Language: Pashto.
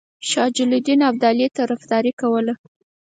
شجاع الدوله د ابدالي طرفداري کوله.